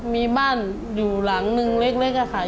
มีบ้านอยู่หลังนึงเล็กค่ะ